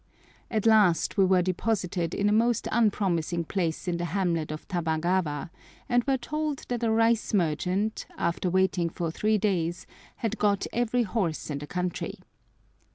At last we were deposited in a most unpromising place in the hamlet of Tamagawa, and were told that a rice merchant, after waiting for three days, had got every horse in the country.